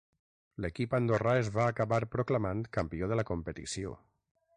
L'equip andorrà es va acabar proclamant campió de la competició.